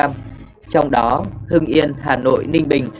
trong đó hưng yên hà nội ninh bình